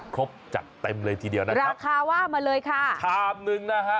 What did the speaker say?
ครบจัดเต็มเลยทีเดียวนะครับราคาว่ามาเลยค่ะชามนึงนะฮะ